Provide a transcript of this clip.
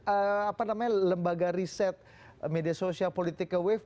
apa namanya lembaga riset media sosial politik ke wave